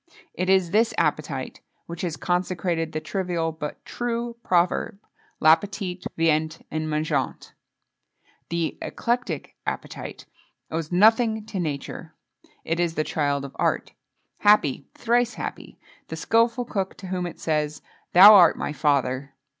It is this appetite which has consecrated the trivial but true proverb: "L'appétit vient en mangeant." The eclectic appetite owes nothing to nature; it is the child of art. Happy, thrice happy, the skilful cook to whom it says: "Thou art my father!"